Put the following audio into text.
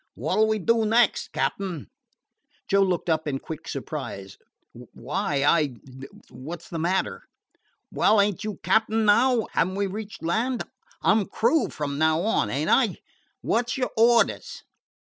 "What 'll we do next, captain?" Joe looked up in quick surprise. "Why I what 's the matter?" "Well, ain't you captain now? Have n't we reached land? I 'm crew from now on, ain't I? What 's your orders?"